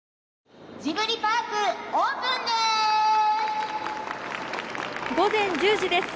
ジブリパーク、オープンです！